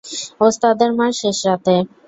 ওস্তাদের মার শেষ রাতে।